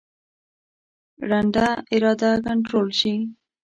ړنده اراده کنټرول شي.